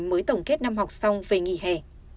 mới tổng kết năm học xong về nghỉ hè